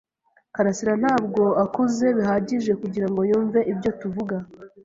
karasira ntabwo akuze bihagije kugirango yumve ibyo tuvuga.